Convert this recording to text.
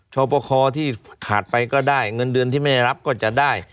ชอปคอที่ขาดไปก็ได้เงินเดือนที่ไม่ได้รับก็จะได้